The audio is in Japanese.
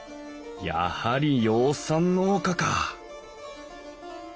やはり養蚕農家か！